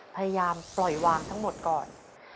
พยายามปล่อยวางทั้งหมดก่อน